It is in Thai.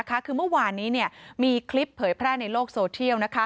คือเมื่อวานนี้มีคลิปเผยแพร่ในโลกโซเทียล